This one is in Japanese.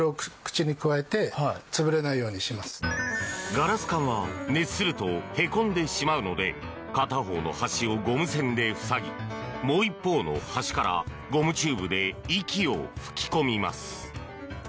ガラス管は熱するとへこんでしまうので片方の端をゴム栓で塞ぎもう一方の端からゴムチューブで息を吹き込みます。